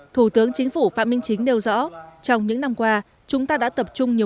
thủ tướng chính phủ phạm minh chính nêu rõ trong những năm qua chúng ta đã tập trung nhiều